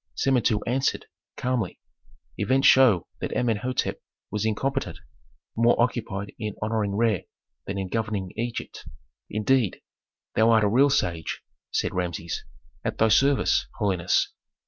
Samentu answered, calmly, "Events show that Amenhôtep was incompetent, more occupied in honoring Re than in governing Egypt." "Indeed, thou art a real sage!" said Rameses. "At thy service, holiness."